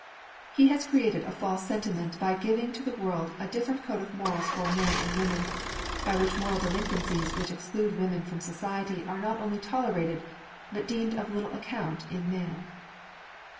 He has created a false sentiment by giving to the world a different code of morals for men and women, by which moral delinquencies which exclude women from society are not only tolerated, but deemed of little account in man.